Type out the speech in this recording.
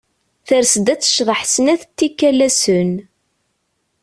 Ters-d ad tecḍeḥ snat tikal ass-n.